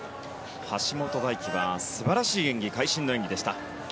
橋本大輝は素晴らしい演技会心の演技でした。